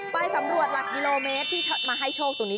ไปสำรวจหลักกิโลเมตรที่มาให้โชคตรงนี้